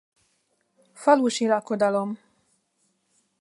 Falusi lakodalom.